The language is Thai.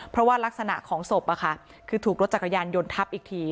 เพราะว่ารักษณะของศพคือถูกรถจักรยานยนต์ทับอีกที